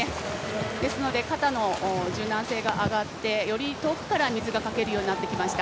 ですので肩の柔軟性が上がってより遠くから水がかけるようになってきました。